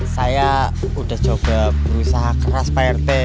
saya udah coba berusaha keras pak rt